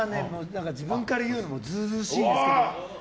自分から言うのも図々しいですけど。